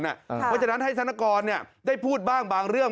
เพราะฉะนั้นให้ธนกรได้พูดบ้างบางเรื่อง